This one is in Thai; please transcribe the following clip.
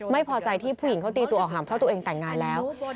ไม่พอใจที่ผู้หญิงเขาตีตัวออกห่างเพราะตัวเองแต่งงานแล้ว